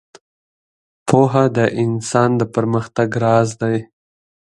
• پوهه د انسان د پرمختګ راز دی.